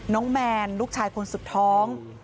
แมนลูกชายคนสุดท้อง